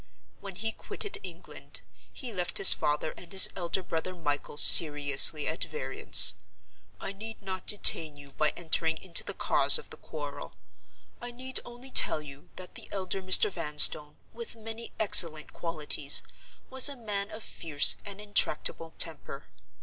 When he quitted England, he left his father and his elder brother Michael seriously at variance. I need not detain you by entering into the cause of the quarrel. I need only tell you that the elder Mr. Vanstone, with many excellent qualities, was a man of fierce and intractable temper.